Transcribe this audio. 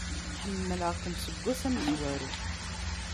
Ḥemmleɣ-kem seg ass amezwaru.